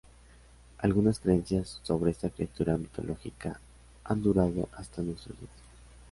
Algunas creencias sobre esta criatura mitológica han durado hasta nuestros días.